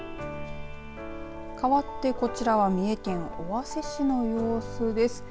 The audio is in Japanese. かわってこちらは三重県尾鷲市の様子です。